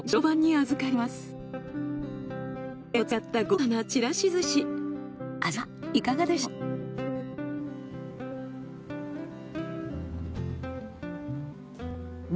味はいかがでしょう？